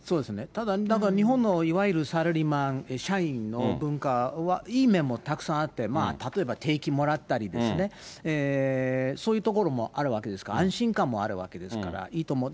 ただ、だから日本のいわゆるサラリーマン、社員の文化はいい面もたくさんあって、例えば定期もらったり、そういうところもあるわけですから、安心感もあるわけですから、いいと思う。